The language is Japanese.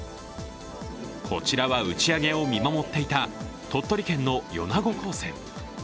こちらは打ち上げを見守っていた鳥取県の米子高専。